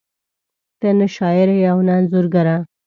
ته نه شاعره ېې او نه انځورګره